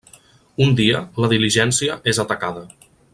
Un dia, la diligència és atacada.